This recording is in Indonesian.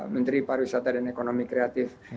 menteri pariwisata dan ekonomi kreatif